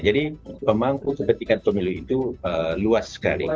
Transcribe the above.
jadi pemangku kebetikan pemilu itu luas sekali